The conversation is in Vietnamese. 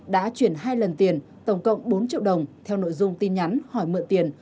đã chuyển hai lần tiền tổng cộng bốn triệu đồng theo nội dung tin nhắn hỏi mượn tiền